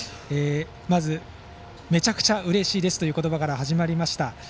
まず、めちゃくちゃうれしいですという言葉から始まりました。